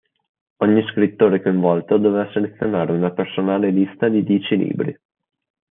Ogni scrittore coinvolto doveva selezionare una personale lista di dieci libri.